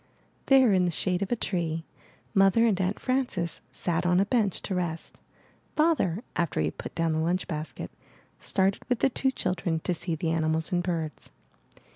There in the shade of a tree. Mother and Aunt Frances sat on a bench to rest. Father, after he had put down the lunch basket, started with the two children to see the animals and birds.